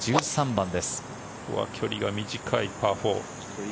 ここは距離が短いパー４。